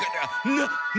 なっ！